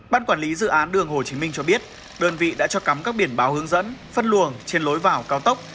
ban quản lý dự án đường hồ chí minh cho biết đơn vị đã cho cắm các biển báo hướng dẫn phân luồng trên lối vào cao tốc